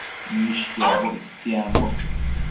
Nëishquiacboc istiambo